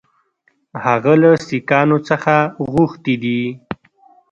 هغه له سیکهانو څخه غوښتي دي.